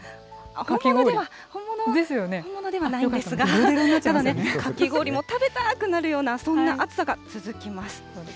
本物では、本物ではないんですが、かき氷も食べたくなるような、そんな暑さが続きます。